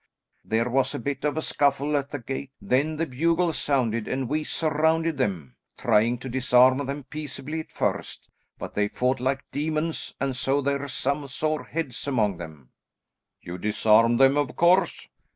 There was a bit of a scuffle at the gate, then the bugle sounded and we surrounded them, trying to disarm them peaceably at first, but they fought like demons, and so there's some sore heads among them." "You disarmed them, of course?"